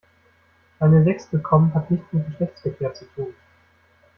Eine Sechs bekommen hat nichts mit Geschlechtsverkehr zu tun.